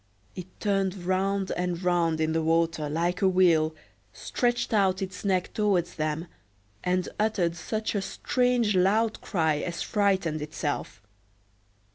It turned round and round in the water like a wheel, stretched out its neck towards them, and uttered such a strange, loud cry as frightened itself.